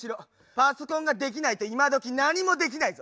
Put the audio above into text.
パソコンができないと今どき何もできないぞ。